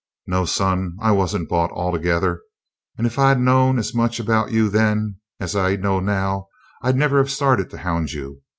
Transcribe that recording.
No, son, I wasn't bought altogether. And if I'd known as much about you then as I know now, I'd never have started to hound you.